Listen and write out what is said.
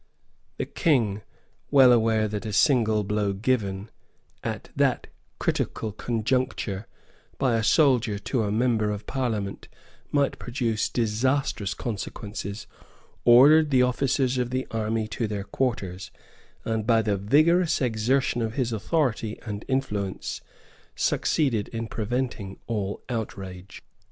The King, well aware that a single blow given, at that critical conjuncture, by a soldier to a member of Parliament might produce disastrous consequences, ordered the officers of the army to their quarters, and, by the vigorous exertion of his authority and influence, succeeded in preventing all outrage.